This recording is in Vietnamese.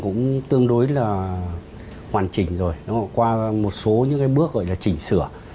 cũng tương đối là hoàn chỉnh rồi qua một số những cái bước gọi là chỉnh sửa